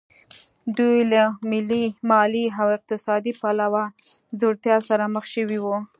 دوی له مالي او اقتصادي پلوه ځوړتیا سره مخ شوي وو